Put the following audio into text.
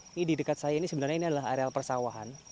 ini di dekat saya ini sebenarnya adalah area persawahan